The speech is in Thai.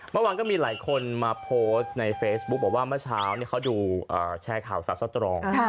เมื่อวานก็มีหลายคนมาโพสต์ในเฟซบุ๊คบอกว่าเมื่อเช้าเขาดูแชร์ข่าวสาวสตรอง